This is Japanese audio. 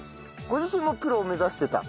ご自身もプロを目指してた？